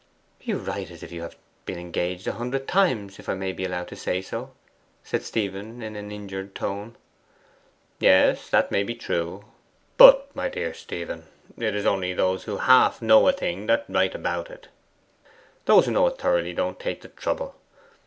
'You write as if you had been engaged a hundred times, if I may be allowed to say so,' said Stephen in an injured tone. 'Yes, that may be. But, my dear Stephen, it is only those who half know a thing that write about it. Those who know it thoroughly don't take the trouble.